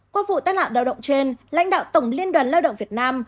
qua vụ tác lạc lao động trên lãnh đạo tổng liên đoàn lao động việt nam